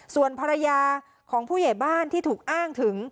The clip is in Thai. ส่วนภรรยาของผู้ใหญ่บ้านที่ถูกอ้างถึง